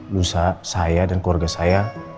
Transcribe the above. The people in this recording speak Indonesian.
lusa saya dan keluarga saya